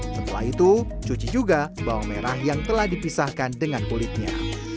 setelah itu cuci juga bawang merah yang telah dipisahkan dengan kulitnya